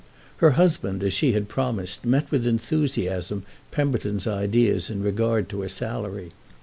Her husband, as she had promised, met with enthusiasm Pemberton's ideas in regard to a salary.